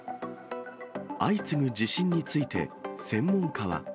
相次ぐ地震について、専門家は。